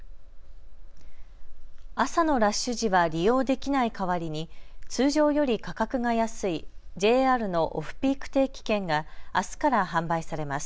朝のラッシュ時は利用できないかわりに通常より価格が安いＪＲのオフピーク定期券があすから販売されます。